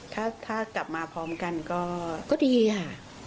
ถ้ากลับมาพร้อมกันก็ดีค่ะ